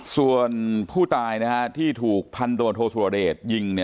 ส่วนผู้ตายที่ถูกพันธบทโทสุรเดชยิง